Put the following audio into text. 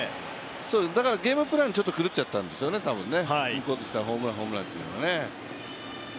だからゲームプランちょっと狂っちゃったんですね、向こうとしたら、ホームラン、ホームランということでね。